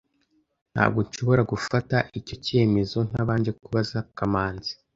Ntabwo nshobora gufata icyo cyemezo ntabanje kubaza Kamanzi